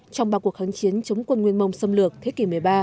trong ba cuộc kháng chiến chống quân nguyên mông xâm lược thế kỷ một mươi ba